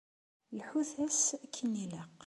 Lḥut-as akken ilaq.